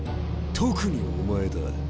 特にお前だ。